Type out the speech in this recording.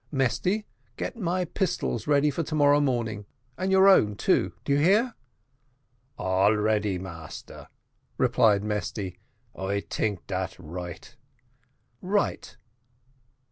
"Mesty, get my pistols ready for to morrow morning, and your own too do ye hear?" "All ready, massa," replied Mesty; "I tink dat right."